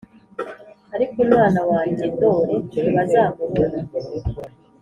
ariko umwana wange ndoli ntibazamubona.